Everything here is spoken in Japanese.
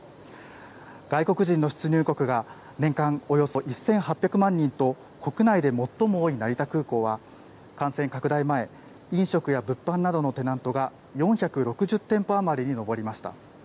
外国人の出入国が年間およそ１８００万人と、国内で最も多い成田空港は、感染拡大前、飲食や物販などのテナントが４６０店舗余りに上りました。